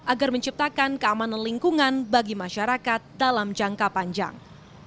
agar menciptakan keamanan lingkungan bagi masyarakat dalam jangka panjang